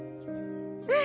うん。